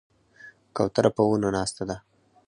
کوتره په ونو ناسته ده.